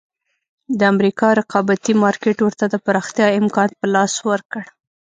د امریکا رقابتي مارکېټ ورته د پراختیا امکان په لاس ورکړ.